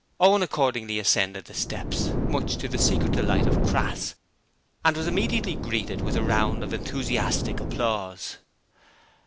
Owen accordingly ascended the steps much to the secret delight of Crass and was immediately greeted with a round of enthusiastic applause.